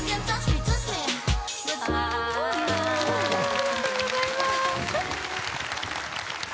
ありがとうございます！